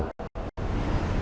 sử dụng người việt nam